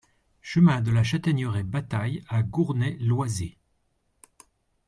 Chemin de la Chataigneraie Batail à Gournay-Loizé